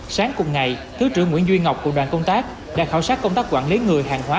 sáng cùng ngày thứ trưởng nguyễn duy ngọc cùng đoàn công tác đã khảo sát công tác quản lý người hàng hóa